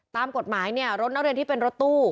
ตามกฎหมายเนี่ยรถนักเรียนที่เป็นรถตู้